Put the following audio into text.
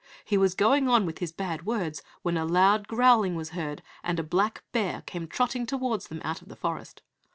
He was going on with his bad words when a loud growling was heard, and a black bear came trotting towards them out of the forest.